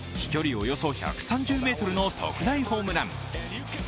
およそ１３０ｍの特大ホームラン。